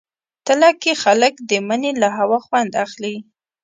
تله کې خلک د مني له هوا خوند اخلي.